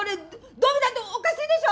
どう見たっておかしいでしょ？